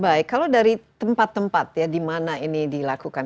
baik kalau dari tempat tempat ya di mana ini dilakukan